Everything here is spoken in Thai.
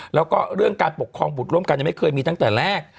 แล้วก็เรื่องการปกครองบุตรร่วมกันยังไม่เคยมีตั้งแต่แรก